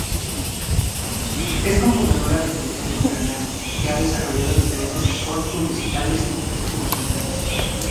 Es cofundadora del Colectivo Engranaje, que ha desarrollado diferentes spots publicitarios y videos promocionales.